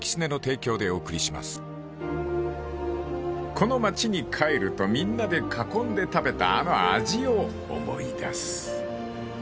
［この町に帰るとみんなで囲んで食べたあの味を思い出す］